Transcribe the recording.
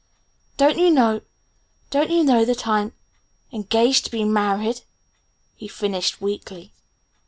"Don't you know don't you know that I'm engaged to be married?" he finished weakly.